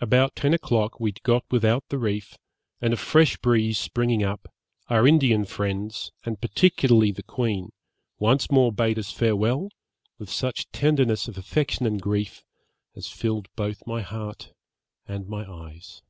About ten o'clock we had got without the reef, and a fresh breeze springing up, our Indian friends, and particularly the queen, once more bade us farewell, with such tenderness of affection and grief, as filled both my heart and my eyes.'